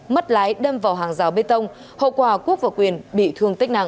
mất lái đâm vào hàng rào bê tông hậu quả quốc và quyền bị thương tích nặng